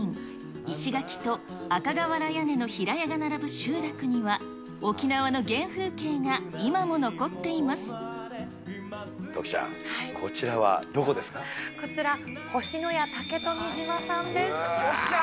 石垣と赤瓦屋根の平屋が並ぶ集落には、沖縄の原風景が今も残って徳ちゃん、こちらはどこですこちら、よっしゃー。